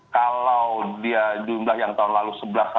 kalau dia jumlah yang tahun lalu sebelas lima ratus